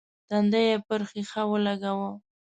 تندی يې پر ښيښه ولګاوه.